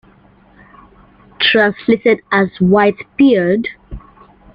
Translated as "White Beard".